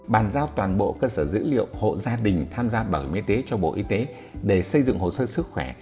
bàn giao toàn bộ cơ sở dữ liệu hộ gia đình tham gia bảo hiểm y tế cho bộ y tế để xây dựng hồ sơ sức khỏe